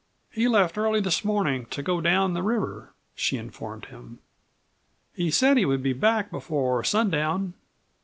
"He left early this morning to go down the river," she informed him. "He said he would be back before sun down."